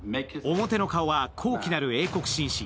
表の顔は高貴なる英国紳士。